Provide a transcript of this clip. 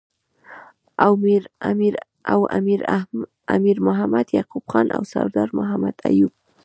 او امیر محمد یعقوب خان او سردار محمد ایوب